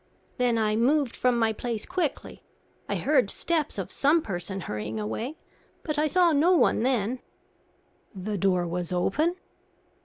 Then I moved from my place quickly. I heard steps of some person hurrying away, but I saw no one then." "The door was open?"